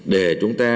để chúng ta